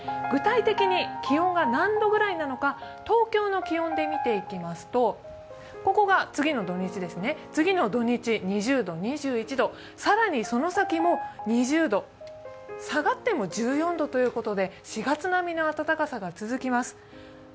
具体的には気温が何度ぐらいなのか東京の気温で見ていきますとここが次の土日ですが、２０度、２１度、更にその先も２０度、下がっても１４度ということで４月並みの暖かさが続きます。